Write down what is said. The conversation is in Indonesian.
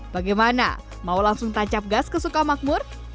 bagaimana mau langsung tancap gas ke sukamakmur